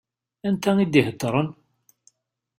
Anta i d-iheddṛen?